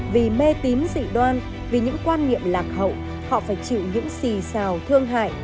vì mê tín dị đoan vì những quan niệm lạc hậu họ phải chịu những xì xào thương hại